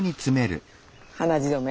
鼻血止め。